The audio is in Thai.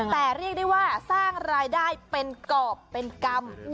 แต่เรียกได้ว่าสร้างรายได้เป็นกรอบเป็นกรรม